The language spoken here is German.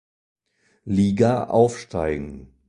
Liga aufsteigen.